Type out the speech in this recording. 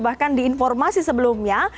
bahkan di informasi sebelumnya